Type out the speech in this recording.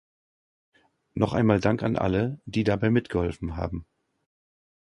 Noch einmal Dank an alle, die dabei mitgeholfen haben.